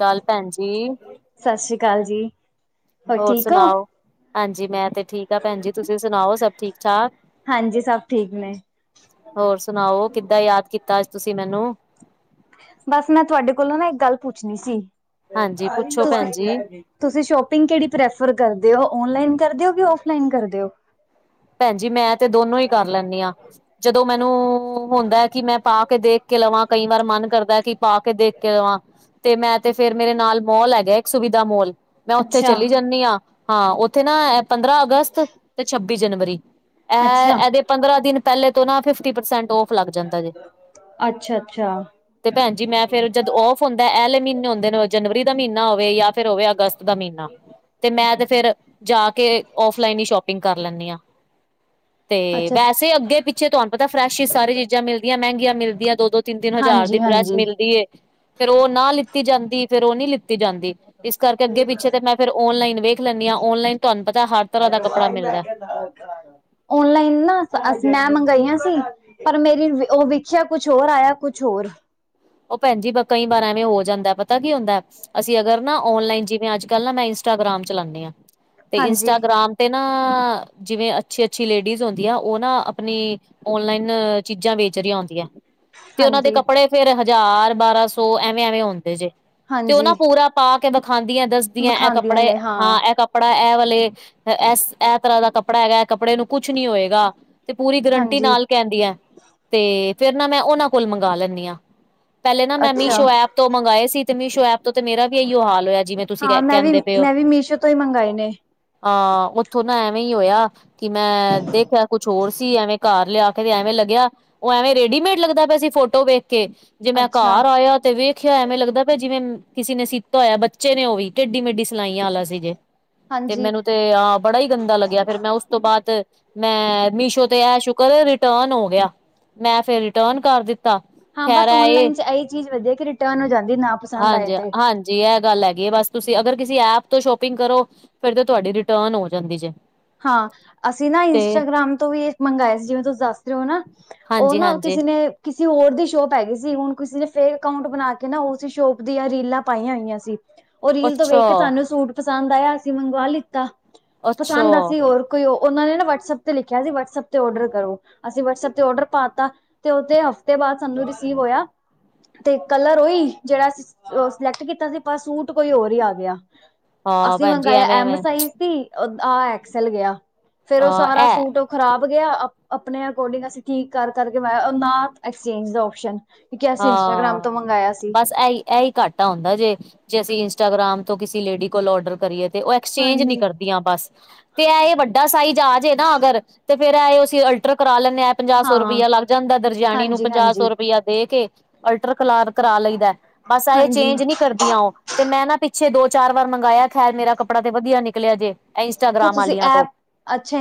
ਗੱਲ ਭੈਣ ਜੀ ਸਤਿ ਸ੍ਰੀ ਅਕਾਲ ਜੀ, ਹੋਰ ਠੀਕ ਹੋ? ਸੁਣਾਓ ਹਾਂਜੀ ਮੈਂ ਤੇ ਠੀਕ ਆਾਂ ਭੈਣ ਜ ਤੁਸੀਂ ਸੁਣਾਓ ਸਭ ਠੀਕ ਠਾਕ ਹਾਂਜੀ ਸਭ ਠੀਕ ਨੇ ਹੋਰ ਸੁਣਾਓ ਕਿੱਦਾਂ ਯਾਦ ਕੀਤਾ ਅੱਜ ਤੁਸੀਂ ਮੈਨੂੰ ਬਸ ਮੈਂ ਤੁਹਾਡੇ ਕੋਲੋਂ ਨਾ ਇੱਕ ਗੱਲ ਪੁੱਛਣੀ ਸੀ ਹਾਂਜੀ ਪੁੱਛੋ ਭੈਣ ਜੀ, ਤੁਸੀਂ ਸ਼ੋਪਿੰਗ ਕਿਹੜੀ ਪ੍ਰੈਫਰ ਕਰਦੇ ਹੋ ਓਨਲਾਈਨ ਕਰਦੇ ਹੋ ਕਿ ਫਲਾਈਨ ਕਰਦੇ ਹੋ ਭੈਣਜੀ ਮੈਂ ਤੇ ਦੋਨੋ ਹੀ ਕਰ ਲੈਂਦੀ ਹਾਂ ਜਦੋਂ ਮੈਨੂੰ ਹੁੰਦਾ ਕਿ ਮੈਂ ਪਾ ਕੇ ਦੇਖ ਕੇ ਲਵਾਂ ਕਈ ਵਾਰ ਮਨ ਕਰਦਾ ਕਿ ਪਾ ਕੇ ਦੇਖ ਕੇ ਲਵਾਂ ਤੇ ਮੈਂ ਤੇ ਫੇਰ ਮੇਰੇ ਨਾਲ ਮੋਲ ਹੈਗਾ ਇੱਕ ਸੁਵਿਧਾ ਮੋਲ ਮੈਂ ਉੱਥੇ ਅੱਛਾ, ਚਲੀ ਜਾਂਦੀ ਹਾਂ ਹਾਂ ਉੱਥੇ ਨਾ ਪੰਦਰਾਂ ਅਗਸਤ ਤੇ ਛੱਬੀ ਜਨਵਰੀ ਅੱਛਾ, ਇਹ ਇਹਦੇ ਪੰਦਰਾਂ ਦਿਨ ਪਹਿਲੇ ਤੋਂ ਨਾ ਫਿਫਟੀ ਪਰਸੈਂਟ ਔਫ ਲੱਗ ਜਾਂਦਾ ਜੇ ਅੱਛਾ, ਤੇ ਭੈਣ ਜੀ ਮੈਂ ਫਿਰ ਜਦੋਂ ਔਫ ਹੁੰਦਾ ਇਹਹਿਲੇ ਮਹੀਨੇ ਹੁੰਦੇ ਨੇ ਜਨਵਰੀ ਦਾ ਮਹੀਨਾ ਹੋਵੇ ਜਾਂ ਫਿਰ ਹੋਵੇ ਅਗਸਤ ਦਾ ਮਹੀਨਾ ਤੇ ਮੈਂ ਤੇ ਫਿਰ ਜਾ ਕੇ ਫਲਾਈਨ ਹੀ ਸ਼ੋਪਿੰਗ ਕਰ ਲੈਂਦੀ ਹਾਂ ਤੇ ਅੱਛਾ, ਅੱਛਾ। ਵੈਸੇ ਅੱਗੇ ਪਿੱਛੇ ਤੁਹਾਨੂੰ ਪਤਾ ਫਰੈਸ਼ ਹੀ ਸਾਰੇ ਚੀਜ਼ਾਂ ਮਿਲਦੀਆਂ ਮਹਿੰਗੀਆਂ ਮਿਲਦੀਆਂ ਦੋ ਦੋ ਤਿੰਨ ਤਿੰਨ ਹਜ਼ਾਰ ਹਾਂਜੀ, ਦੀ ਡਰੈਸ ਹਾਂਜੀ। ਮਿਲਦੀ ਏ ਫੇਰ ਉਹ ਨਾ ਲਿੱਤੀ ਜਾਂਦੀ ਫੇਰ ਉਹ ਨਹੀਂੀ ਲਿੱਤੀ ਜਾਂਦੀ ਇਸ ਕਰਕੇ ਅੱਗੇ ਪਿੱਛੇ ਤੇ ਮੈਂ ਫਿਰ ਔਨਲਾਈਨ ਵੇਖ ਲੈਂਦੀ ਹਾਂ ਔਨਲਾਈਨ ਤੁਹਾਨੂੰ ਪਤਾ ਹਰ ਤਰ੍ਹਾਂ ਦਾ ਕੱਪੜਾ ਮਿਲਦਾ ਓਨਲਾਈਨ ਨਾ ਮੈਂ ਮੰਗਾਈਆਂ ਸੀ ਪਰ ਮੇਰੀ ਉਹ ਵੇਖਿਆ ਕੁਛ ਹੋਰ ਆਇਆ ਕੁਛ ਹੋਰ ਉਹ ਭੈਣਜੀ ਬ ਕਈ ਬਾਰਾਂਵੇਂ ਹੋ ਜਾਂਦਾ ਪਤਾ ਕੀ ਹੁੰਦਾ ਅਸੀਂ ਅਗਰ ਨਾ ਓਨਲਾਈਨ ਜਿਵੇਂ ਅੱਜ ਕੱਲ੍ਹ ਨਾ ਮੈਂ ਇੰਸਟਾਗ੍ਰਾਮ ਚਲਾਉਾਨਦੇ ਆਾਂ ਤੇ ਹਾਂਜੀ, ਇੰਸਟਾਗ੍ਰਾਮ ਤੇ ਨਾ, ਜਿਵੇਂ ਅੱਛੀ-ਅੱਛੀ ਲੇਡੀਜ਼ ਹੁੰਦੀ ਆ ਉਹ ਨਾ ਆਪਣੀ ਔਨਲਾਈਨ ਚੀਜ਼ਾਂ ਵੇਚ ਰਹੀ ਆਉਂਦੀਆਂ ਤੇ ਉਹਨਾਂ ਦੇ ਹਾਂਜੀ, ਕੱਪੜੇ ਫੇਿਰ ਹਜ਼ਾਰ ਬਾਰਾਂ ਸੌ ਐਵੇਂ ਐਵੇਂ ਹੁੰਦੇ ਜੇ ਤੇ ਹਾਂਜੀ ਉਹਨਾਂ ਪੂਰਾ ਪਾ ਕੇ ਵਿਖਾਦੀਆਂ ਦੱਸਦੀਆਂ ਇਹ ਵਿਖਾਉਂਦੀਆਂ ਕੱਪੜੇ ਨੇ ਹਾਂ ਇਹ ਕੱਪੜੇ ਕੱਪੜਾ ਇਹ ਵਾਲੇ ਇਸ ਇਹ ਤਰ੍ਹਾਂ ਦਾ ਕੱਪੜਾ ਹੈਗਾ ਇਹ ਕੱਪੜੇ ਨੂੰ ਕੁਛ ਨੀ ਹੋਏਗਾ ਤੇ ਪੂਰੀ ਗਰੰਟੀ ਹਾਂਜੀ ਨਾਲ ਕਹਿੰਦੀ ਹੈ ਤੇ ਫਿਰ ਨਾ ਮੈਂ ਉਹਨਾਂ ਕੋਲ ਮੰਗਵਾ ਲੈਂਦੀ ਹਾਂ ਪਹਿਲੇ ਨਾ ਮੈਂ ਅੱਛਾ ਮੀਸ਼ੋ ਐਪ ਤੋਂ ਮੰਗਵਾਏ ਸੀ ਤੇ ਮੀਸ਼ੋ ਐਪ ਤੋਂ ਤੇ ਮੇਰਾ ਵੀ ਇਹੀੋ ਹਾਲ ਹੋਇਆ ਜਿਵੇਂ ਤੁਸੀਂ ਹਾਂ ਮੈਂ ਵੀ, ਕਹਿੰਦੇ ਪਏ ਹੋ ਮੈਂ ਵੀ ਮੀਸ਼ੋ ਤੋਂ ਈ ਮੰਗਾਏ ਨੇ। ਹਾਂ ਉੱਥੋਂ ਨਾ ਐਵੇਂ ਹੀ ਹੋਇਆ ਕਿ ਮੈਂ ਦੇਖਿਆ ਕੁਛ ਹੋਰ ਸੀ, ਐਵੇਂ ਘਰ ਲਿਆ ਕੇ ਤੇ ਐਵੇਂ ਲੱਗਿਆ ਉਹ ਐਵੇਂ ਰੇਡੀਮੇਡ ਲੱਗਦਾ ਪਿਆ ਸੀ ਫੋਟੋ ਵੇਖ ਕੇ, ਜੇ ਮੈਂ ਅੱਛਾ ਘਰ ਆਇਆ ਤੇ ਵੇਖ ਦੇਖਿਆ ਹੋਇਆ ਲੱਗਦਾ ਜਿਵੇਂ, ਕਿਸੇ ਨੇ ਸੀਤਾ ਹੋਇਆ ਬੱਚੇ ਨੇ ਉਹ ਵੀ, ਟੇਡੀ ਮੇਡੀ ਸਿਲਾਈਆਂ ਵਾਲਾ ਸੀ ਜੇ ਤੇ ਹਾਂਜੀ ਮੈਨੂੰ ਤੇ ਆਹ ਬੜਾ ਹੀ ਗੰਦਾ ਲੱਗਿਆ, ਫਿਰ ਮੈਂ ਉਸ ਤੋਂ ਬਾਅਦ ਮੈਂ ਮੀਸ਼ੋ ਤੇ ਐ ਸ਼ੁਕਰ ਏ, ਰਿਟਰਨ ਹੋ ਗਿਆ, ਮੈਂ ਫਿਰ ਰਿਟਰਨ ਕਰ ਦਿੱਤਾ ਹਾਂ ਖੈਰ ਬਸ ਇਹ ਔਨਲਾਈਨ ਚ' ਇਹੀ ਚੀਜ਼ ਵਧੀਆ ਕਿ ਰਿਟਰਨ ਹੋ ਜਾਂਦੀ ਨਾ ਪਸੰਦ ਆਏ ਹਾਂਜੀ- ਤੇ ਹਾਂਜੀ ਜੀ ਇਹ ਗੱਲ ਹੈਗੀ, ਬਸ ਤੁਸੀਂ ਅਗਰ ਕਿਸੀ ਐਪ ਤੋਂ ਸ਼ੋਪਿੰਗ ਕਰੋ, ਫਿਰ ਤੁਹਾਡੀ ਰਿਟਰਨ ਹੋ ਜਾਂਦੀ ਜੇ ਹਾਂ, ਅਸੀਂ ਨਾ ਤੇ ਇੰਸਟਾਗ੍ਰਾਮ ਤੋਂ ਵੀ ਮੰਗਵਾਏ ਸੀ, ਜਿਵੇਂ ਤੁਸੀਂ ਦੱਸ ਉਹ ਨਾ, ਉਹ ਹਾਂਜੀ ਨਾ, ਹਾਂਜੀ ਕਿਸੇ ਨੇ ਕਿਸੇ ਹੋਰ ਦੀ ਸ਼ੋਪ ਹੈਗੀ ਸੀ, ਹੁਣ ਕਿਸੇ ਨੇ ਫੇਕ ਅਕਾਊਂਟ ਬਣਾ ਕੇ ਨਾ, ਉਸ ਸ਼ੋਪ ਦੀਆਂ ਰੀਲਾਂ ਪਾਈਆਂ ਹੋਈਆਂ ਸੀ ਉਹ ਰੀਲ ਤੋਂ ਅੱਛਾ ਵੇਖ ਕੇ ਸਾਨੂੰ ਸੂਟ ਪਸੰਦ ਆਇਆ, ਅਸੀਂ ਮੰਗਵਾ ਲਿੱਤਾ, ਅੱਛਾ ਪਸੰਦ ਅਸੀਂ ਹੋਰ ਕੋਈ ਉਹ, ਉਹਨਾਂ ਨੇ ਨਾ ਵੱਟਸਐਪ ਤੇ ਲਿਖਿਆ ਸੀ, ਵਟਸਐਪ ਤੇ ਆਰਡਰ ਕਰੋ, ਅਸੀਂ ਵੱਟਸਐਪ ਤੇ ਆਰਡਰ ਪਾਤਾ ਤੇ ਉਹਦੇ ਹਫ਼ਤੇ ਬਾਅਦ ਸਾਨੂੰ ਰਿਸੀਵ ਹੋਇਆ ਤੇ ਕਲਰ ਉਹੀ, ਜਿਹੜਾ ਸਿਲੈਕਟ ਕੀਤਾ ਸੀ, ਪਰ ਸੂਟ ਕੋਈ ਹੋਰ ਹੀ ਆ ਗਿਆ ਹਾਂ ਅਸੀਂ ਭੈਣ ਜੀ ਮੰਗਵਾ ਐਵੇਂ ਐਮ ਐਵੇਂ ਸਾਈਜ਼ ਸੀ, ਆਹ ਐਕਸਲ ਗਿਆ, ਫਿਰ ਉਹ ਅ ਸਾਰਾ ਇਹ ਸੂਟ ਖਰਾਬ ਗਿਆ, ਆਪਣੇ ਅਕੋਰਡਿੰਗ ਅਸੀਂ ਠੀਕ ਕਰ ਕਰਕੇ ਲਾਇਆ, ਨਾ ਐਕਸਚੇਂਜ ਦਾ ਓਪਸ਼ਨ ਹਾਂ, ਬਸ ਆ ਇਹਹੀ ਘਾਟਾ ਹੁੰਦਾ ਜੇ, ਜੇ ਅਸੀਂ ਇੰਸਟਾਗ੍ਰਾਮ ਤੋਂ ਕਿਸੇ ਲੇਡੀ ਕੋਲ ਆਰਡਰ ਕਰੀਏ ਤੇ, ਉਹ ਐਕਸਚੇਂਜ ਨੀ ਹਾਂਜੀ ਕਰਦੀਆਂ ਬਸ, ਤੇ ਇਹ ਵੱਡਾ ਸਾਈਜ ਆ ਜਾਏ ਨਾ ਅਗਰ ਤੇ ਫੇਰ ਇਹ ਅਸੀਂ ਅਲਟਰ ਕਰਾ ਲੈਂਦੇ ਆ, ਪੰਜਾਹ ਸੌ ਹਾਂ ਰੁਪਇਆ ਲੱਗ ਜਾਂਦਾ ਦਰਜਿਆਣੀ ਨੂੰ ਹਾਂਜੀ ਪੰਜਾਹ ਸੌ ਹਾਂਜੀ ਰੁਪਇਆ ਦੇ ਕੇ, ਅਲਟਰ ਕਰਾ ਲਈਦਾ, ਬਸ ਇਹ ਹਾਂਜੀ ਚੇਂਜ ਨਹੀਂ ਕਰਦੀਆਂ, ਉਹ ਤੇ ਮੈਂ ਨਾ ਪਿੱਛੇ ਦੋ- ਚਾਰ ਵਾਰ ਮੰਗਾਇਆ ਖੈਰ ਮੇਰਾ ਕੱਪੜਾ ਤੇ ਵਧੀਆ ਨਿਕਲਿਆ ਜੇ ਤਾਂ ਇੰਸਟਾਗ੍ਰਾਮ ਤੁਸੀਂ ਵਾਲੀਆਂ ਤੋਂ, ਐਪ ਅੱਛਾ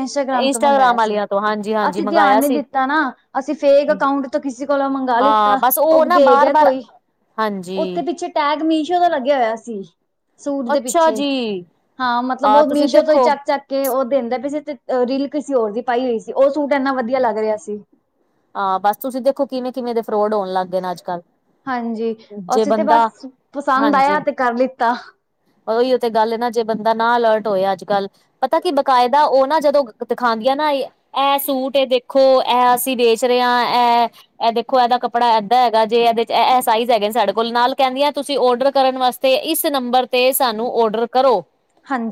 ਤੋਂ ਇੰਸਟਾਗ੍ਰਾਮ ਵਾਲੀਆਂ ਤੋਂ ਹਾਂਜੀ- ਹਾਂਜੀ ਮੰਗਾਇਆ ਸੀ ਤਾਂ ਨਾ, ਅਸੀਂ ਫੇਕ ਅਕਾਊਂਟ ਤੋਂ ਕਿਸੇ ਕੋਲ ਮੰਗ ਮੰਗਾ ਹਾਂ ਲਿੱਤਾ, ਬਸ ਉਹ ਨਾ ਦੇ ਬਾਰ ਗਿਆ ਬਾਰ ਕੋਈ, ਹਾਂਜੀ ਉੱਥੇ ਪਿੱਛੇ ਟੈਗ ਮੀਸ਼ੋ ਤੋਂ ਲੱਗਿਆ ਹੋਇਆ ਸੀ, ਸੂਟ ਦੇ ਅੱਛਾ ਪਿੱਛੇ, ਜੀ, ਹਾਂ ਮਤਲਬ ਆਹ ਉਹ ਤੁਸੀਂ ਮੀਸ਼ੋ ਤੋਂ ਹੀ ਦੇਖੋ ਚੱਕ ਕੇ ਉਹ ਦਿੰਦੇ ਪਏ ਸੀ, ਤੇ ਰੀਲ ਕਿਸੇ ਹੋਰ ਦੀ ਪਾਈ ਹੋਈ ਸੀ, ਉਹ ਸੂਟ ਇੰਨਾ ਵਧੀਆ ਲੱਗ ਰਿਹਾ ਸੀ ਹਾਂ ਬਸ, ਤੁਸੀਂ ਦੇਖੋ ਕਿਵੇਂ- ਕਿਵੇਂ ਦੇ ਫਰੋਡ ਹੋਣ ਲੱਗ ਗਏ ਨੇ ਅੱਜ-ਕੱਲ ਹਾਂਜੀ, ਜੇ ਅਸੀਂ ਤੇ ਬੰਦਾ ਬਸ ਪਸੰਦ ਆਇਆ, ਤੇ ਕਰ ਲਿੱਤਾ ਉਹੀ ਉੇ ਗੱਲ ਨਾ, ਜੇ ਬੰਦਾ ਨਾ ਅਲਰਟ ਹੋਇਆ ਅੱਜ- ਕੱਲ੍ਹ ਪਤਾ ਕੀ ਬਕਾਇਦਾ ਉਹ ਨਾ ਜਦੋਂ ਦਿਖਾਉਂਦੀਆਂ, ਨਾ ਇਹ ਸੂਟ ਇਹ ਦੇਖੋ ਇਹ ਅਸੀਂ ਦੇ ਦੂਸਰਿਆ ਹੈ [unintelligible] ਇਹ ਦੇਖੋ ਇਹਦਾ ਕੱਪੜਾ ਏਦਾਂ ਹੈਗਾ ਜੇ ਇਹਦੇ 'ਚ ਇਹ ਸਾਈਜ਼ ਹੈਗੇ ਸਾਡੇ ਕੋਲ, ਨਾਲ ਕਹਿੰਦੀਆਂ ਤੁਸੀਂ ਆਰਡਰ ਕਰਨ ਵਾਸਤੇ ਤੇ ਇਸ ਨੰਬਰ ਤੇ ਸਾਨੂੰ ਆਰਡਰ ਕਰੋ,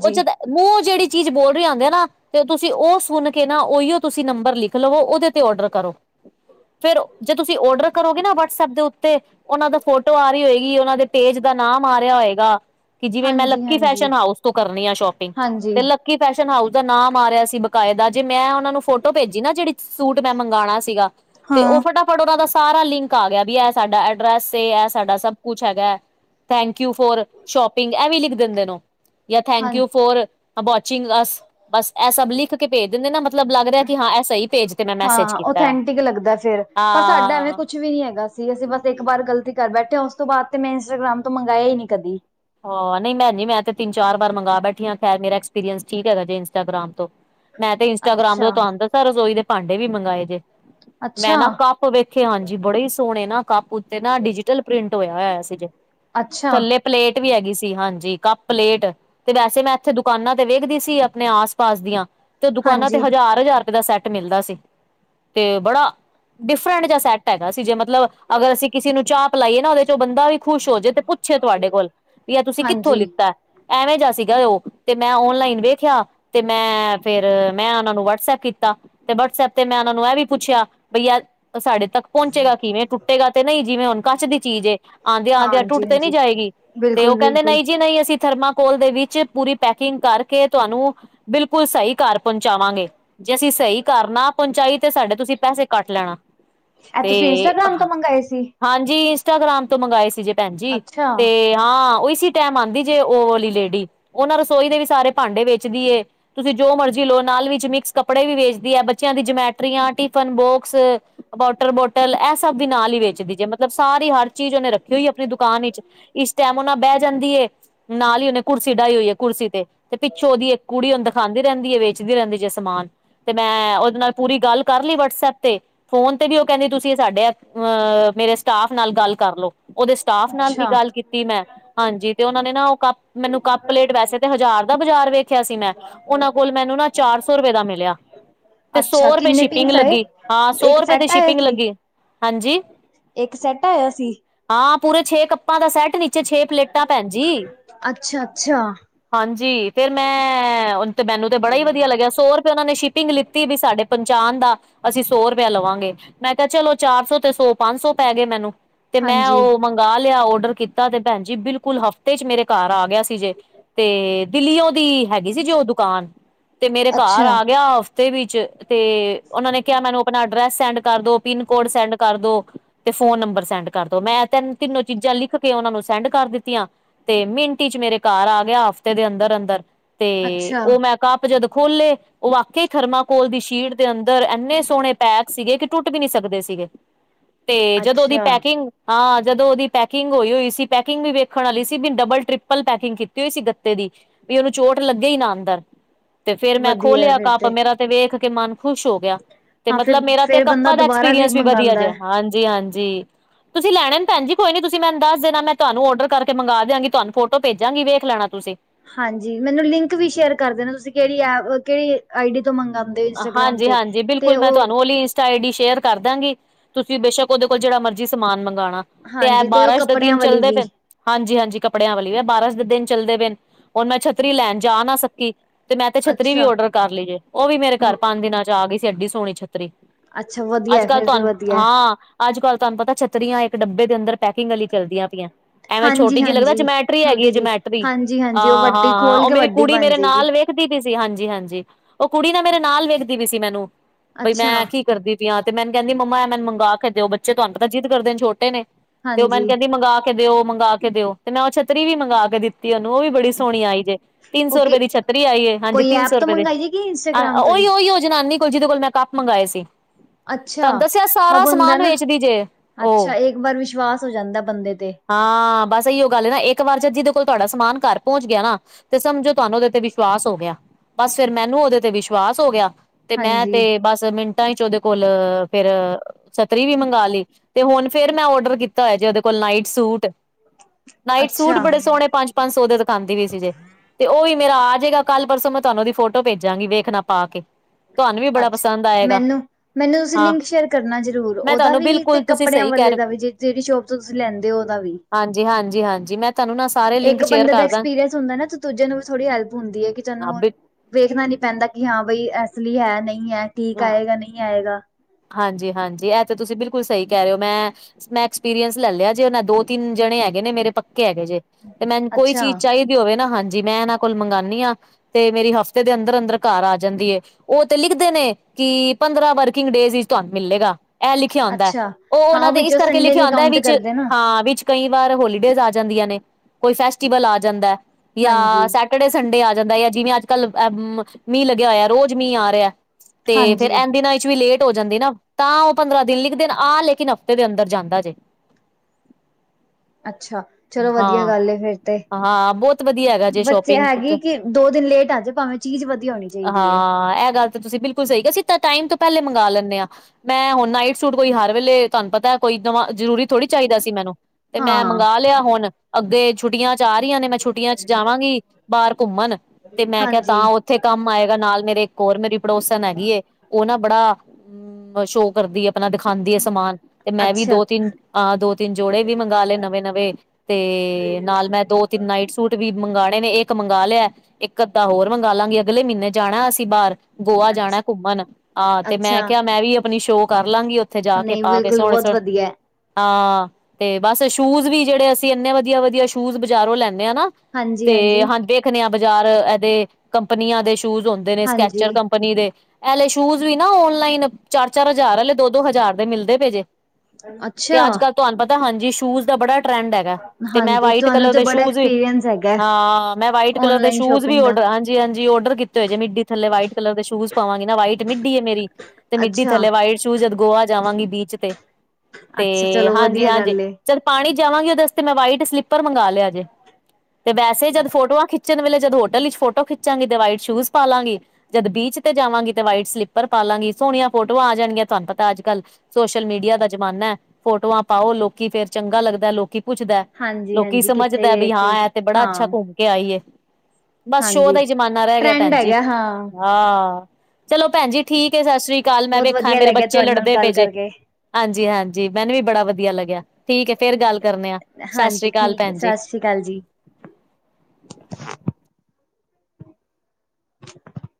ਉਹ ਜਦ ਮੂੰਹ ਜਿਹੜੀ ਚੀਜ਼ ਬੋਲ ਰਹੀ ਆਉਂਦੇ ਆ ਨਾ ਤੇ ਤੁਸੀਂ ਉਹ ਸੁਣ ਕੇ ਨਾ, ਉਹੀਓ ਤੁਸੀਂ ਨੰਬਰ ਲਿਖ ਲਵੋ, ਉਹਦੇ ਤੇ ਆਰਡਰ ਕਰੋ ਫਿਰ, ਜੇ ਤੁਸੀਂ ਆਰਡਰ ਕਰੋਗੇ ਨਾ ਵਟਸਐਪ ਦੇ ਉੱਤੇ ਉਹਨਾਂ ਦਾ ਫੋਟੋ ਆ ਰਹੀ ਹੋਏਗੀ, ਉਹਨਾਂ ਦੇ ਪੇਜ ਦਾ ਨਾਮ ਆ ਰਿਹਾ ਹੋਏਗਾ ਕਿ ਜਿਵੇਂ ਮੈਂ ਹਾਂਜੀ-ਹਾਂਜੀ, ਲੱਕੀ ਹਾਂਜੀ। ਫੈਸ਼ਨ ਹਾਊਸ ਤੋਂ ਕਰਨੀ ਆ ਸ਼ੋਪਿੰਗ, ਹਾਂਜੀ ਤੇ ਲ ਲੱਕੀ ਫੈਸ਼ਨ ਹਾਊਸ ਦਾ ਨਾਮ ਆ ਰਿਹਾ ਸੀ ਬਕਾਏ ਦਾ, ਜੇ ਮੈਂ ਉਹਨਾਂ ਨੂੰ ਫੋਟੋ ਭੇਜੀ ਨਾ ਜਿਹੜੀ ਸੂਟ ਮੈਂ ਮੰਗਵਾਉਣਾ ਸੀਗਾ ਤੇ ਉਹ ਹਾਂ। ਫਟ ਫਟਾਫਟ ਉਹਨਾਂ ਦਾ ਸਾਰਾ ਲਿੰਕ ਆ ਗਿਆ ਵੀ ਇਹ ਸਾਡਾ ਐਡਰਸ ਸਾਡਾ ਸਭ ਕੁੱਛ ਹੈਗਾ ਥੈਂਕ ਯੂ ਫੋਰ ਸ਼ੋਪਿੰਗ, ਇਹ ਵੀ ਲਿਖ ਦਿੰਦੇ ਨੇ ਯ ਥੈਂਕ ਹਾਂਜੀ। ਯੂ ਫੋਰ ਵੋਚਿੰਗ ਅਸ ਬਸ ਇਹ ਸਭ ਲਿਖ ਕੇ ਭੇਜ ਦਿੰਦੇ ਨਾ ਮਤਲਬ ਲੱਗ ਰਿਹਾ ਕਿ ਹਾਂ ਇਹ ਸਹੀ ਪੇਜ ਤੇ ਮੈਂ ਮੈਸੇਜ ਹਾਂ ਕੀਤਾ ਓਥੈਂਟਿਕ ਲੱਗਦਾ ਫਿਰ, ਪਰ ਸਾਡਾ ਐਵੇਂ ਹਾਂ ਕੁਛ ਕੁਛ ਵੀ ਨੀ ਹੈਗਾ ਸੀ, ਅਸੀਂ ਬਸ ਇੱਕ ਵਾਰ ਗਲਤੀ ਕਰ ਬੈਠਿਆ ਉਸ ਤੋਂ ਬਾਅਦ ਤੇ ਮੈਂ ਇੰਸਟਾਗ੍ਰਾਮ ਤੋਂ ਮੰਗਾਇਆ ਹੀ ਨੀ ਕਦੀ ਹਾਂ ਨਹੀਂ ਮੈਂ ਨੀ ਮੈਂ ਤੇ ਤਿੰਨ- ਚਾਰ ਵਾਰ ਮੰਗਵਾ ਬੈਠੀ ਹਾਂ, ਖੈ ਮੇਰਾ ਐਕਸਪੀਰੀਅੰਸ ਠੀਕ ਹੈਗਾ ਜੇ ਇੰਸਟਾਬਗ੍ਰਾਮ ਤੋਂ ਮੈਂ ਤੇ ਇੰਸਟਾਗ੍ਰਾਮ ਤੋਂ ਅੱਛਾ ਤੁਹਾਨੂੰ ਦੱਸਿਆ ਰਸੋਈ ਦੇ ਭਾਂਡੇ ਵੀ ਮੰਗਵਾਏ ਜ ਅੱਛਾ ਮੈਂ ਨਾ ਕਾਫੀ ਵੇਖੇ ਹਾਂਜੀ, ਬੜੇ ਹੀ ਸੋਹਣੇ ਨਾ ਕਪ ਉਤੇ ਨਾ ਡਿਜੀਟਲ ਪ੍ਰਿੰਟ ਹੋਇਆ ਹੋਇਆ ਸੀ ਜੇ ਅੱਛਾ ਥੱਲੇ ਪਲੇਟ ਵੀ ਹੈਗੀ ਸੀ, ਹਾਂਜੀ ਕੱਪ ਪਲੇਟ ਤੇ ਵੈਸੇ ਮੈਂ ਇੱਥੇ ਦੁਕਾਨਾਂ ਤੇ ਵੇਖਦੀ ਸੀ ਆਪਣੇ ਆਸ-ਪਾਸ ਦੀਆਂ, ਤੇ ਦੁਕਾਨਾਂ ਤੇ ਹਾਂਜੀ ਹਜ਼ਾਰ-ਹਜ਼ਾਰ ਰੁਪਏ ਦਾ ਸੈੱਟ ਸੈਟ ਮਿਲਦਾ ਸੀ, ਤੇ ਬੜਾ ਡਿਫਰੈਂਟ ਜਾ ਸੈੱਟ ਹੈਗਾ ਸੀ ਜੇ ਮਤਲਬ ਅਗਰ ਅਸੀਂ ਕਿਸੇ ਨੂੰ ਚਾਹ ਪਿਲਾਈਏ ਨਾ ਉਹਦੇ ਚੋਂ ਬੰਦਾ ਵੀ ਖੁਸ਼ ਹੋ ਜੇ ਤੇ ਪੁੱਛੇ ਤੁਹਾਡੇ ਕੋਲ, ਵੀ ਐ ਤੁਸੀਂ ਕਿੱਥੋਂ ਹਾਂਜੀ ਲਿੱਤਾ। ਐਵੇਂ ਜਿਹਾ ਸੀਗਾ ਉਹ, ਤੇ ਮੈਂ ਓਨਲਾਈਨ ਵੇਖਿਆ ਤੇ ਮੈਂ ਫੇਰ ਮੈਂ ਉਹਨਾਂ ਨੂੰ ਵਟਸਐਪ ਕੀਤਾ ਤੇ ਵਟਸਐਪ ਤੇ ਮੈਂ ਉਹਨਾਂ ਨੂੰ ਇਹ ਵੀ ਪੁੱਛਿਆ ਬਈ ਸਾਡੇ ਤੱਕ ਪਹੁੰਚੇਗਾ ਕਿਵੇਂ ਟੁੱਟੇਗਾ ਤੇ ਨਹੀਂ ਜਿਵੇਂ ਹੁਣ ਕੱਚ ਦੀ ਚੀਜ਼ ਏ। ਆਂਦਿਆ-ਆਂਦਿਆ ਹਾਂਜੀ ਟੁੱਟ ਤੇ ਨੀ ਹਾਂਜੀ ਜਾਏਗੀ ਤੇ ਉਹ ਬਿਲਕੁਲ ਕਹਿੰਦੇ ਬਿਲਕੁਲ ਨਹੀਂ ਜੀ ਨਹੀਂ ਅਸੀਂ ਥਰਮਾ ਕੋਲ ਦੇ ਵਿੱਚ ਪੂਰੀ ਪੈਕਿੰਗ ਕਰਕੇ ਤੁਹਾਨੂੰ ਬਿਲਕੁਲ ਸਹੀ ਘਰ ਪਹੁੰਚਾਵਾਂਗੇ। ਜੇ ਅਸੀਂ ਸਹੀ ਘਰ ਨਾ ਪਹੁੰਚਾਈ ਤੇ ਸਾਡੇ ਤੁਸੀਂ ਪੈਸੇ ਕੱਟ ਲੈਣਾ। ਇਹ ਤੁਸੀਂ ਤੇ, ਇੰਸਟਾਗ੍ਰਾਮ ਤੋਂ ਮੰਗਵਾਏ ਸੀ ਹਾਂਜੀ ਇੰਸਟਾਗ੍ਰਾਮ ਤੋਂ ਮੰਗਵਾਏ ਸੀ ਜੇ। ਭੈਣ ਜੀ, ਅੱਛਾ ਤੇ ਹਾਂ ਉਹੀ ਸੀ ਟੈਮ ਆਦੀ ਜੇ ਉਹ ਵਾਲੀ ਲੇਡੀ ਉਹਨਾਂ ਰਸੋਈ ਦੇ ਵੀ ਸਾਰੇ ਭਾਂਡੇ ਵੇਚਦੀ ਏ। ਤੁਸੀਂ ਜੋ ਮਰਜੀ ਲਓ ਨਾਲ ਵਿਚ ਮਿਕਸ ਕੱਪੜੇ ਵੀ ਵੇਚਦੀ ਆ ਬੱਚਿਆਂ ਦੀ ਜਮੈਟਰੀਆਂ, ਟਿਫਨ ਬੋਕਸ ਵਾਟਰ ਬੋਟਲ ਇਹ ਸਭ ਦੀ ਨਾਲ ਹੀ ਵੇਚਦੀ ਜੇ ਮਤਲਬ ਸਾਰੀ ਹਰ ਚੀਜ਼ ਉਹਨੇ ਰੱਖੀ ਹੋਈ ਆਪਣੀ ਦੁਕਾਨ ਵਿੱਚ। ਇਸ ਟਾਈਮ ਉਹਨਾ ਬਹਿ ਜਾਂਦੀ ਏ, ਨਾਲ ਹੀ ਉਹਨੇ ਕੁਰਸੀ ਡਾਈ ਹੋਈ ਕੁਰਸੀ ਤੇ। ਤੇ ਪਿੱਛੋਂ ਉਹਦੀ ਇੱਕ ਕੁੜੀ ਉਹਨੂੰ ਦਿਖਾਦੀ ਰਹਿੰਦੀ ਏ ਵੇਚਦੀ ਰਹਿੰਦੀ ਜੇ ਸਮਾਨ। ਤੇ ਮੈਂ ਉਹਦੇ ਨਾਲ ਪੂਰੀ ਗੱਲ ਕਰ ਲਈ ਵਟਸਐਪ ਤੇ। ਫੋਨ ਤੇ ਵੀ ਉਹ ਕਹਿੰਦੀ ਤੁਸੀਂ ਇਹ ਸਾਡੇ ਅ ਮੇਰੇ ਸਟਾਫ ਨਾਲ ਗੱਲ ਕਰਲੋ, ਉਹਦੇ ਸਟਾਫ ਨਾਲ ਵੀ ਅੱਛਾ ਗੱਲ ਕੀ ਤੀ ਮੈਂ, ਹਾਂਜੀ ਤੇ ਉਹਨਾਂ ਨੇ ਨਾ ਉਹ ਕੱਪ ਮੈਨੂੰ ਕੱਪ ਪਲੇਟ ਵੈਸੇ ਤੇ ਹਜ਼ਾਰ ਦਾ ਬਾਜ਼ਾਰ ਵੇਖ ਵੇਖਿਆ ਸੀ ਮੈਂ ਉਹਨਾਂ ਕੋਲ ਮੈਨੂੰ ਨਾ ਚਾਰ ਸੌ ਰੁਪਏ ਦਾ ਮਿਲਿਆ। ਤੇ ਸੌ ਅੱਛਾ ਰੁਪਏ ਕਿੰਨੇ ਸ਼ਿਪਿੰਗ ਪੀਸ ਆਏ ਲੱਗੀ, ਹਾਂ ਸੌ ਇੱਕ ਰੁਪਏ ਤੇ ਸੈਟ ਆਇਆ ਸ਼ਿਪਿੰਗ ਸੀ ਲੱਗੀ। ਹਾਂਜੀ ਇੱਕ ਸੈਟ ਆਇਆ ਸੀ? ਹਾਂ ਪੂਰੇ ਛੇ ਕੱਪਾਂ ਦਾ ਸੈਟ ਨੀਚੇ ਛੇ ਪਲੇਟਾਂ ਭੈਣ ਜੀ। ਅੱਛਾ ਅੱਛਾ ਹਾਂਜੀ ਫੇਰ ਮੈਂ ਤੇ ਮੈਨੂੰ ਤੇ ਬੜਾ ਹੀ ਵਧੀਆ ਲੱਗਿਆ ਸੌ ਰੁਪਏ ਉਹਨਾਂ ਨੇ ਸ਼ੀ ਪਿੰਗ ਲਿੱਤੀ ਵੀ ਸਾਡੇ ਪਚਾਣ ਦਾ ਅਸੀਂ ਸੌ ਰੁਪਇਆ ਲਵਾਂਗੇ। ਮੈਂ ਕਿਹਾ ਚਲੋ ਚਾਰ ਸੌ ਤੇ ਸੌ ਪੰਜ ਸੌ ਪੈ ਗਏ ਮੈਨੂੰ, ਤੇ ਮੈਂ ਹਾਂਜੀ ਉਹ ਮੰਗਵਾ ਲਿਆ ਔਡਰ ਕੀ ਤਾ ਤੇ ਭੈਣ ਜੀ ਬਿਲਕੁਲ ਹਫ਼ਤੇ 'ਚ ਮੇਰੇ ਘਰ ਆ ਗਿਆ ਸੀ ਜੇ ਤੇ ਦਿੱਲੀ ਉਹਦੀ ਹੈਗੀ ਸੀ ਜੋ ਦੁਕਾਨ, ਤੇ ਮੇਰੇ ਘਰ ਅੱਛਾ ਆ ਗਿਆ ਹਫ਼ਤੇ ਵਿੱਚ। ਤੇ ਉਹ ਨੇ ਕਿਹਾ ਮੈਨੂੰ ਆਪਣਾ ਅਡਰੈਸ ਸੈਂਡ ਕਰ ਦੋ ਪਿੰਨ ਕੋਡ ਸੈਂਡ ਕਰ ਦੋ ਤੇ ਫੋਨ ਨੰਬਰ ਸੈਂਡ ਕਰ ਦੋ ਮੈਂ ਤੈਨੂੰ ਤਿੰਨੋ ਚੀਜ਼ਾਂ ਲਿਖ ਕੇ ਉਹਨਾਂ ਨੂੰ ਸੈਂਡ ਕਰ ਦਿੱਤੀਆਂ, ਤੇ ਮਿੰਟੀ 'ਚ ਮੇਰੇ ਘਰ ਆ ਗਿਆ ਹਫ਼ਤੇ ਦੇ ਅੰਦਰ-ਅੰਦਰ। ਤੇ ਅੱਛਾ ਉਹ ਮੈਂ ਕੱਪ ਜਦੋਂ ਖੋਲੇ ਉਹ ਵਾਕਿਆ ਈ ਥਰਮਾਕੋਲ ਦੀ ਸ਼ੀਟ ਦੇ ਅੰਦਰ ਇੰਨੇ ਸੋਹਣੇ ਪੈਕ ਸੀਗੇ ਕਿ ਟੁੱਟ ਵੀ ਨੀ ਸਕਦੇ ਸੀਗੇ। ਤੇ ਜਦੋਂ ਉਹਦੀ ਅੱਛਾ ਪੈਕਿੰਗ ਹਾਂ ਜਦੋਂ ਉਹਦੀ ਪੈਕਿੰਗ ਹੋਈ ਹੋਈ ਸੀ ਪੈਕਿੰਗ ਵੀ ਵੇਖਣ ਵਾਲੀ ਸੀ ਵੀ ਡਬਲ ਟ੍ਰਿਪਲ ਪੈਕਿੰਗ ਕੀਤੀ ਹੋਈ ਸੀ ਗੱਤੇ ਦੀ। ਵੀ ਉਹਨੂੰ ਚੋਟ ਲੱਗੇ ਹੀ ਨਾ ਅੰਦਰ, ਤੇ ਫੇਰ ਮੈਂ ਖੋ ਵਧੀਆ ਲਿਆ ਫਿਰ ਕੱਪ ਮੇਰਾ ਤੇ ਵੇਖ ਕੇ ਮਨ ਖੁਸ਼ ਹੋ ਗਿਆ, ਤੇ ਹਾਂ ਫਿਰ ਮਤਲਬ ਮੇਰਾ ਤੇ ਫੇਰ ਬੰਦਾ ਕੱਪਾ ਦਾ ਦੁਬਾਰਾ ਐਕਸਪੀਰੀਅੰਸ ਵੀ ਵਧੀਆ ਮੰਗਾਂਦਾ ਐ। ਗਿਆ ਹਾਂਜੀ-ਹਾਂਜੀ। ਜੀ, ਤੁਸੀਂ ਲੈਣੇ ਭੈਣਜੀ ਕੋਈ ਨੀ ਤੁਸੀਂ ਮੈਨੂੰ ਦੱਸ ਦੇਣਾ ਮੈਂ ਤੁਹਾਨੂੰ ਔਡਰ ਕਰਕੇ ਮੰਗਵਾ ਦਿਆਂਗੀ ਤੁਹਾਨੂੰ ਫੋਟੋ ਭੇਜਾਂਗੀ ਵੇਖ ਲੈਣਾ ਤੁਸੀਂ। ਹਾਂਜੀ ਮੈਨੂੰ ਲਿੰਕ ਵੀ ਸ਼ੇਅਰ ਕਰ ਦੇਣਾ ਤੁਸੀਂ ਕਿਹੜੀ ਐਪ ਕਿਹੜੀ ਆਈ ਡੀ ਤੋਂ ਮੰਗਾ ਹਾਂਜੀ-ਹਾਂਜੀ ਬਿਲਕੁਲ ਮੈਂ ਤੁਹਾਨੂੰ ਉਹ ਵਾਲੀ ਆਈ ਡੀ ਸ਼ੇਅਰ ਕਰ ਦਾਂਗੀ, ਤੁਸੀਂ ਬੇਸ਼ੱਕ ਉਹਦੇ ਕੋਲ ਜਿਹੜਾ ਮਰਜ਼ੀ ਸਮਾਨ ਮੰਗਾਣਾ। ਤੇ ਐ ਹਾਂਜੀ ਉਹ ਬਾਰਾਂਸ਼ ਦਾ ਕੱਪੜਿਆਂ ਦਿਨ ਵਾਲੀ ਚੱਲਦੇ ਵੀ ਪਏ ਹਾਂਜੀ-ਹਾਂਜੀ ਕੱਪੜਿਆਂ ਵਾਲੀ ਹੈ ਬਾਰਿਸ਼ ਦੇ ਦਿਨ ਚੱਲਦੇ ਪਏ ਨੇ, ਹੁਣ ਮੈਂ ਛੱਤਰੀ ਲੈਣ ਜਾ ਨਾ ਸਕੀ। ਤੇ ਮੈਂ ਤੇ ਛੱਤਰੀ ਵੀ ਅੱਛਾ। ਔਡਰ ਕਰ ਲਈ ਜੇ ਉਹ ਵੀ ਮੇਰੇ ਘਰ ਪੰਜ ਦਿਨਾਂ ਚ ਆ ਗਈ ਸੀ ਐਡੀ ਸੋਹਣੀ ਛੱਤਰੀ। ਅੱਛਾ ਵਧੀਆ ਅੱਜਕੱਲ੍ਹ ਫੇਰ ਤੇ ਤੁਹਾਨੂੰ ਵਧੀਆ ਹਾਂ ਅੱਜਕੱਲ੍ਹ ਤੁਹਾਨੂੰ ਪਤਾ ਛਤਰੀਆਂ ਇੱਕ ਡੱਬੇ ਦੇ ਅੰਦਰ ਪੈਕਿੰਗ ਵਾਲੀ ਚੱਲਦੀਆਂ ਪਈਆਂ। ਐਵੇਂ ਛੋਟੀ ਜਿਹੀ ਲੱਗਦਾ ਹਾਂਜੀ-ਹਾਂਜੀ ਜਮੈਟਰੀ ਹੈਗੀ ਹੈ ਛੋਟੀ ਜੀ ਜਮੈਟਰੀ, ਹਾਂਜੀ-ਹਾਂਜੀ ਉਹ ਆਹ ਹਾਂ ਵੱਡੀ ਹਾਂ ਖੋਲ ਉਹ ਕੇ ਮੇਰੀ ਵੱਡੀ ਕੁੜੀ ਬਣ ਮੇਰੇ ਜੇਗੀ। ਨਾਲ ਵੇਖ ਵੇਖਦੀ ਵੀ ਸੀ ਹਾਂਜੀ-ਹਾਂਜੀ ਉਹ ਕੁੜੀ ਨਾ ਮੇਰੇ ਨਾਲ ਵੇਖਦੀ ਵੀ ਸੀ ਮੈਨੂੰ ਬਈ ਅੱਛਾ ਮੈਂ ਕੀ ਕਰਦੀ ਤੇ ਮੈਨ ਕਹਿੰਦੀ ਮੰਮਾ ਇਹ ਮੈਨ ਮੰਗਾਂ ਕੇ ਦਿਓ ਬੱਚੇ ਤੁਹਾਨੂੰ ਪਤਾ ਜਿੱਦ ਕਰਦੇ ਨੇ ਛੋਟੇ ਨੇ ਤੇ ਉਹ ਹਾਂਜੀ ਮੈਨ ਕਹਿੰਦੀ ਮੰਗਾ ਕੇ ਦਿਓ ਮੰਗਾ ਕੇ ਦਿਓ ਤੇ ਮੈਂ ਉਹ ਛੱਤਰੀ ਵੀ ਮੰਗਾ ਕੇ ਦਿੱਤ ਤੇ ਉਹਨੂੰ ਉਹ ਵੀ ਬੜੀ ਸੋਹਣੀ ਆਈ ਜੇ ਤਿੰਨ ਸੌ ਰੁਪਏ ਓਕੇ ਦੀ ਛੱਤਰੀ ਆਈ ਏ ਹਾਂਜੀ ਕੋਈ ਤਿੰਨ ਐਪ ਸੌ ਤੋਂ ਰੁਪਏ ਦੇ ਮੰਗਾਈਏ ਕਿ ਇੰਸਟਾਗ੍ਰਾਮ ਤੋਂ ਹੀ ਓਈਓ-ਓਈਓ ਜਨਾਨੀ ਕੋਲ ਜਿਹਦੇ ਕੋਲ ਮੈਂ ਕੱਪ ਮੰਗਾਏ ਸੀ। ਅੱਛਾ ਤੁਹਾਨੂੰ ਦੱਸਿਆ ਹਾ ਸਾਰਾ ਬੰਦਾ ਸਮਾਨ ਨਾ ਵੇਚਦੀ ਜੇ ਅੱਛਾ ਉਹ ਇੱਕ ਵਾਰ ਵਿਸ਼ਵਾਸ ਹੋ ਜਾਂਦਾ ਬੰਦੇ ਤੇ। ਹਾਂ ਬਸ ਇਹੀਓ ਗੱਲ ਨਾ ਇੱਕ ਵਾਰ ਜ ਜਿਹਦੇ ਕੋਲ ਤੁਹਾਡਾ ਸਮਾਨ ਘਰ ਪਹੁੰਚ ਗਿਆ ਨਾ ਤੇ ਸਮਝੋ ਤੁਹਾਨੂੰ ਉਹਦੇ ਤੇ ਵਿਸ਼ਵਾਸ ਹੋ ਗਿਆ ਬਸ ਫੇਰ ਮੈਨੂੰ ਉਹਦੇ ਤੇ ਵਿਸ਼ਵਾਸ ਹੋ ਗਿਆ ਤੇ ਮੈਂ ਤੇ ਹਾਂਜੀ। ਬਸ ਮਿੰਟਾਂ ਚ ਉਹਦੇ ਕੋਲ ਫੇਰ ਛਤਰੀ ਵੀ ਮੰਗਾ ਲੀ ਤੇ ਹੁਣ ਫੇਰ ਮੈਂ ਓਡਰ ਕੀਤਾ ਹੋਇਆ ਜੇ ਉਹਦੇ ਕੋਲ ਨਾਈਟ ਸੂਟ। ਨਾਈਟ ਸੂਟ ਅੱਛਾ, ਬੜੇ ਸੋਹਣੇ ਪੰਜ ਪੰਜ ਸੌ ਦੇ ਦੁਕਾਨਂਦੀ ਪੀ ਸੀ ਜੇ ਤੇ ਉਹ ਵੀ ਮੇਰਾ ਆ ਜਾਏਗਾ ਕੱਲ ਪਰਸੋਂ ਮੈਂ ਤੁਹਾਨੂੰ ਉਹਦੀ ਫੋਟੋ ਭੇ ਪੇਜਾਂਗੀ ਦੇਖਣਾ ਪਾ ਕੇ। ਤੁਹਾਨੂੰ ਵੀ ਬੜਾ ਅੱਛ ਪਸੰਦ ਆਏਗਾ। ਮੈਨੂੰ ਮੈਨੂੰ ਤੁਸੀਂ ਹਾਂ ਲਿੰਕ ਸ਼ੇਅਰ ਕਰਨਾ ਜ਼ਰੂਰ ਮੈਂ ਓਦਾ ਤੁਹਾਨੂੰ ਵੀ ਤੇ ਬਿਲਕੁਲ ਤੁਸੀਂ ਕੱਪੜਿਆਂ ਸਹੀ ਕਹਿ ਵਾਲੇ ਰਹੇ ਦਾ ਵੀ ਜ ਜੇੜੀ ਸ਼ੋਪ ਤੁਸੀ ਲੈਂਦੇ ਹੋ ਉਹਦਾ ਵੀ। ਹਾਂਜੀ-ਹਾਂਜੀ, ਹਾਂਜੀ ਮੈਂ ਤੁਹਾਨੂੰ ਨਾ ਸ ਇੱਕ ਬੰਦੇ ਦਾ ਐਕਸਪੀਰੀਅੰਸ ਹੁੰਦਾ ਨਾ ਤੇ ਦੂਜੇ ਨੂੰ ਵੀ ਥੋੜੀ ਹੈਲਪ ਹੁੰਦੀ ਹੈ ਕਿ ਚਨੂ ਕਰਦਾ ਵੇਖਣਾ ਨੀ ਪੈਂਦਾ ਕੀ ਹਾਂ ਬਈ ਏਹ ਅਸਲੀ ਹੈ ਨਈ ਐ ਠੀਕ ਆਏਗਾ ਨਈ ਆਏਗਾ। ਹਾਂਜੀ-ਹਾਂਜੀ ਇਹ ਤਾਂ ਤੁਸੀਂ ਬਿਲਕੁਲ ਸਹੀ ਕਹਿ ਰਹੇ ਹੋ ਮੈਂ ਮੈਂ ਐਕਸਪੀਰੀਅੰਸ ਲੈ ਲਿਆ ਜੇ ਉਹ ਦੋ ਤਿੰਨ ਜਣੇ ਹੈਗੇ ਨੇ ਮੇਰੇ ਪੱਕੇ ਹੈਗੇ ਜੇ ਤੇ ਮੈਨੂੰ ਕੋਈ ਅੱਛਾ, ਚੀਜ਼ ਚਾਹੀ ਦੀ ਹੋਵੇ ਨਾ ਹਾਂਜੀ ਮੈਂ ਇਹਨਾਂ ਕੋਲ ਮੰਗਾਨੀ ਹਾਂ। ਤੇ ਮੇਰੀ ਹਫ਼ਤੇ ਦੇ ਅੰਦਰ-ਅੰਦਰ ਘਰ ਆ ਜਾਂਦੀ ਏ ਉਹ ਤੇ ਲਿਖਦੇ ਨੇ ਕਿ ਪੰਦਰਾਂ ਵਰਕਿੰਗ ਡੇਜ਼ ਵਿੱਚ ਤੁਹਾਨੂੰ ਮਿਲੇਗਾ। ਐ ਲਿਖਿਆ ਹੁੰਦਾ ਅੱਛਾ ਓ ਹਾਂ ਓਨਾਂ ਉਹ ਦੇ ਇਸ ਵਿੱਚੋਂ ਕਰਕੇ ਸੰਡੇ ਲਿਖਿਆ ਨੀ ਆਂਦਾ ਕਾਊਂਟ ਵਿੱਚ ਕਰਦੇ ਨਾ। ਹਾਂ ਵਿੱਚ ਕਈ ਵਾਰ ਹੋਲੀਡੇਜ਼ ਆ ਜਾਂਦੀਆਂ ਨੇ ਕੋਈ ਫੈਸਟੀਵਲ ਆ ਜਾਂਦਾ ਯਾ ਹਾਂਜੀ, ਸ ੜੇ ਸੰਡੇ ਆ ਜਾਂਦਾ ਯਾ ਜਿਵੇਂ ਅੱਜ ਕਲ ਅ ਮੀਹ ਲਗਿਆ ਹੋਇਆ ਰੋਜ਼ ਮੀਂਹ ਆ ਰਿਹਾ। ਤੇ ਫੇਰ ਹਾਂਜੀ ਐਨ ਦਿਨਾਂ ਵਿੱਚ ਵੀ ਲੇਟ ਹੋ ਜਾਂਦੀ ਨਾ। ਤਾਂ ਓ ਪੰਦਰਾਂ ਦਿਨ ਲਿਖਦੇ ਨੇ ਆ ਲੇਕਿਨ ਹਫ਼ਤੇ ਦੇ ਅੰਦਰ ਜਾਂਦਾ ਜੇ। ਅੱਛਾ ਚਲੋ ਵਧੀਆ ਹਾਂ, ਗੱਲ ਏ ਫੇਰ ਤੇ। ਹਾਂ ਬੋਹਤ ਵਧੀਆ ਹੈਗਾ ਜੇ ਬੱਚੇ ਸ਼ੋਪਿੰਗ ਹੈਗੀ ਦੋ ਦਿਨ ਲੇਟ ਆ ਜੇ ਭਾਵੇਂ ਚੀਜ਼ ਵਧੀਆ ਹੋਣੀ ਚਾਹੀਦੀ। ਏ। ਹਾਂ ਐ ਗੱਲ ਤੁਸੀ ਬਿਲਕੁਲ ਸਈ ਕਿਆ ਅਸੀ ਤਾ ਟਾਈਮ ਤੋਂ ਪੈਲੇ ਮੰਗਾ ਲੈਨੇ ਆ। ਮੈਂ ਹੁਣ ਨਾਈਟ ਸੂਟ ਕੋਈ ਹਰ ਵੇਲੇ ਤੁਹਾਨੂੰ ਪਤਾ ਕੋਈ ਨਵਾ ਜ਼ਰੂਰੀ ਥੋੜ੍ਹੀ ਚਾਹੀਦਾ ਸੀ ਮੈਨੂੰ ਤੇ ਮੈਂ ਹਾਂ, ਮੰਗਵਾ ਲਿਆ ਹੁਣ ਅੱਗੇ ਛੁੱਟੀਆ ਚ ਆ ਰਹੀਆਂ ਨੇ ਮੈਂ ਛੁੱਟੀਆ ਚ ਜਾਵਾਂਗੀ ਬਾਰ ਘੁੰਮਣ ਤੇ ਮੈਂ ਕਿਹਾ ਹਾਂਜੀ ਤਾ ਉੱਥੇ ਕੰਮ ਆਏਗਾ ਨਾਲ ਮੇਰੇ ਇੱਕ ਹੋਰ ਮੇਰੀ ਪੜੋਸ ਸਨ ਹੈਗੀ ਏ ਉਹ ਨਾ ਬੜਾ ਸ਼ੋ ਕਰਦੀ ਏ। ਆਪਣਾ ਦਿਖਾਂਦੀ ਐ ਸਮਾਨ ਤੇ ਮੈਂ ਵੀ ਅੱਛਾ, ਦੋ-ਤਿੰਨ ਆ ਦੋ-ਤਿੰਨ ਜੋੜੇ ਵੀ ਮੰਗਵਾ ਲਏ ਨਵੇਂ-ਨਵੇਂ। ਤੇ ਨਾਲ ਮੈਂ ਦੋ-ਤਿੰਨ ਨਾਈਟ ਸੂਟ ਵੀ ਮੰਗਾਣੇ ਨੇ ਇੱਕ ਮੰਗਵਾ ਲਿਆ। ਇੱਕ-ਅੱਧਾ ਹੋਰ ਮੰਗਾ ਲਾਂਗੇ ਅਗਲੇ ਮਹੀਨੇ ਜਾਣਾ ਅਸੀਂ ਬਾਰ। ਗੋਆ ਅੱਛ ਜਾਣਾ ਘੁੰਮਣ ਆ ਤੇ ਮੈਂ ਅੱਛਾ, ਕਿਹਾ ਮੈਂ ਵੀ ਆਪਣੀ ਸ਼ੋਅ ਕਰ ਲਾਂਗੀ। ਉੱਥੇ ਜਾ ਕੇ ਨਹੀਂ ਪਾ ਕੇ ਬਿਲਕੁਲ ਸੋਣੇ ਬਹੁਤ ਸੋ ਵਧੀਆ ਹੈ। ਹਾਂ ਤੇ ਬਸ ਸ਼ੂਜ ਵੀ ਜਿਹੜੇ ਅਸੀਂ ਇੰਨੇ ਵਧੀਆ-ਵਧੀਆ ਸ਼ੂਜ ਬਜ਼ਾਰੋ ਲੈਨੇ ਹਾਂ ਨਾ ਤੇ ਹਾਂਜੀ-ਹਾਂਜੀ, ਹਾਂ ਦੇਖਦੇ ਆ ਬਾਜ਼ਾਰ ਇਹਦੇ ਕੰਪਨੀਆਂ ਦੇ ਸ਼ੂਜ ਹੁੰਦੇ ਨੇ ਹਾਂਜੀ, ਸਕੈਚਰ ਕੰ ਪਨੀ ਦੇ ਐਲੇ ਸ਼ੂਜ ਵੀ ਨਾ ਓਨਲਾਈਨ ਚਾਰ-ਚਾਰ ਹਜ਼ਾਰ ਆਲੇ ਦੋ-ਦੋ ਹਜ਼ਾਰ ਦੇ ਮਿਲਦੇ ਪਏ ਜੇ। ਹਾਂਜੀ ਤੇ ਅੱਛਾ। ਅੱਜ-ਕੱਲ ਤੁਹਾਨੂੰ ਪਤਾ ਹਾਂਜੀ ਸ਼ੂਜ ਦਾ ਬੜਾ ਟ੍ਰੇਂਡ ਹੈਗਾ ਤੇ ਮੈਂ ਹਾਂਜੀ, ਵਾਈਟ ਤੁਹਾਨੂੰ ਕਲਰ ਤੇ ਦੇ ਬੜਾ ਸ਼ੂਜ ਵੀ ਐਕਸਪੀਰੀਅੰਸ ਹੈਗਾ ਹਾਂ ਮੈਂ ਵਾਈਟ ਕਲਰ ਦੇ ਔਨਲਾਈਨ ਸ਼ੂਜ ਵੀ ਸ਼ੋਪਿੰਗ ਦਾ। ਓਡਰ ਹਾਂਜ ਹਾਂਜੀ-ਹਾਂਜੀ ਔਡਰ ਕੀਤੇ ਹੋ ਜੇ ਮਿੱਟੀ ਥੱਲੇ ਵਾਈਟ ਕਲਰ ਦੇ ਸ਼ੂਜ ਪਾਵਾਂਗੇ ਨਾ ਵਾਈਟ ਮਿੱਢਈ ਹੈ ਮੇਰੀ ਤੇ ਮਿੱਢਡੀ ਅੱਛਾ, ਥੱਲੇ ਵਾਈਟ ਸ਼ੂਜ ਜਦ ਗੋਆ ਜਾਵਾਂਗੀ ਬੀਚ ਤੇ, ਅੱਛਾ ਤੇ ਚਲੋ ਹਾਂਜੀ ਵਧੀਆ ਹਾਂਜੀ। ਗੱਲ ਏ। ਜਦ ਪਾਣੀ ਜਾਵਾਂਗੇ ਓਦੇ ਸਤੇ ਮੈਂ ਵਾਈਟ ਸਲੀਪਰ ਮੰਗਾ ਲਿਆ ਜੇ, ਤੇ ਵੈਸੇ ਜਦ ਫੋਟੋਆਂ ਖਿ ਖਿਚਨ ਵੇਲੇ ਜਦੋਂ ਹੋਟਲ ਵਿੱਚ ਫੋਟੋ ਖਿੱਚਾਂਗੇ, ਤੇ ਵਾਈਟ ਸ਼ੂਜ ਪਾ ਲਾਂਗੀ। ਜਦ ਬੀਚ ਤੇ ਜਾਵਾਂਗੀ ਤੇ ਵਾਈਟ ਸਲੀਪਰ ਪਾ ਲਾਂਗੀ, ਸੋਹਣੀਆਂ ਫੋਟੋਆਂ ਆ ਜਾਣਗੀਆਂ। ਤੁਹਾਨੂੰ ਪਤਾ ਅੱਜ ਕੱਲ੍ਹ ਸੋਸ਼ਲ ਮੀਡੀਆ ਦਾ ਜ਼ਮਾਨਾ ਐ, ਫੋਟੋਆਂ ਪਾਓ ਲੋਕੀ ਫੇਰ ਚੰਗਾ ਲੱਗਦਾ ਲੋਕੀ ਪੁੱਛਦਾ, ਲੋਕੀ ਹਾਂਜੀ-ਹਾਂਜੀ, ਕਿੱਥੇ ਸਮਝਦਾ ਗਏ ਬਈ ਹਾਂ ਸੀ? ਐ ਤੇ, ਬੜਾ ਅੱਛਾ ਹਾਂ, ਘੁੰਮ ਕੇ, ਆਈਏ ਬਸ ਸ਼ੋਅ ਹਾਂਜੀ। ਦਾ ਹੀ ਜ਼ਮਾਨਾ ਰਹਿ ਗਿਆ, ਟਰੈਂਡ ਭੈਣ ਜੀ। ਹੈਗਾ ਹਾਂ- ਹਾਂ, ਚਲੋ ਭੈਣ ਜੀ ਠੀਕ ਹੈ ਸਤਿ ਸ੍ਰੀ ਅਕਾਲ ਮੈਂ ਬਹੁਤ ਵੇਖਾਂ ਵਧੀਆ ਮੇਰੇ ਲੱਗਿਆ ਬੱਚੇ ਤੁਹਾਡੇ ਨਾਲ ਲੜਦੇ ਪਏ ਗੱਲ ਜੇ। ਕਰਕੇ। ਹਾਂਜੀ ਹਾਂਜੀ, ਮੈਨੂੰ ਵੀ ਬੜਾ ਵਧੀਆ ਲੱਗੇਆ। ਠੀਕ ਐ ਫੇਰ ਗੱਲ ਕਰਨੇ ਆ, ਸਤਿ ਸ੍ਰੀ ਅਕਾਲ ਭੈਣ ਜੀ। ਸੀ ਕਾਲ ਜੀ। [unintelligible]